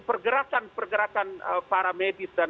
pergerakan pergerakan para medis dan